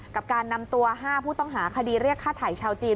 กับการนำตัว๕ผู้ต้องหาคดีเรียกฆ่าไถ่ชาวจีน